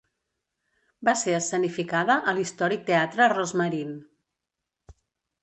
Va ser escenificada a l'històric teatre Rose Marine.